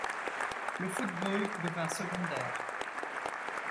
Le football devint secondaire.